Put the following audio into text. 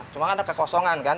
cuma ada kekosongan kan